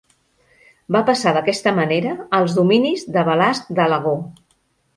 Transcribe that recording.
Va passar d'aquesta manera als dominis de Balasc d'Alagó.